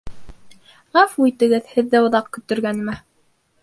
Ғәфү итегеҙ, һеҙҙе оҙаҡ көттөргәнемә.